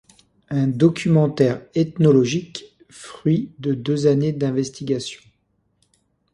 Un documentaire ethnologique, fruit de deux années d'investigations.